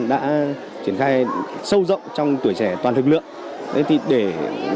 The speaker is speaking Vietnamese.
đã triển khai sâu rộng trong tuổi trẻ toàn lực lượng để